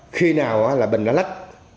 khi nào là bệnh lá đất